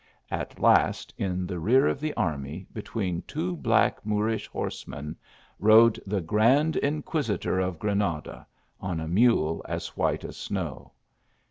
At last in the rear of the army, between two black Moorish horsemen, rode the grand inquisitor of Granada, on a mule as white as snow.